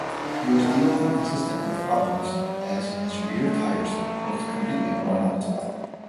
He was dealing inconsistently with problems, as his rear tyres looked completely worn out.